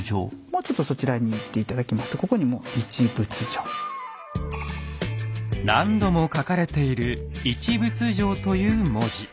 もうちょっとそちらに行って頂きますと何度も書かれている「一仏乗」という文字。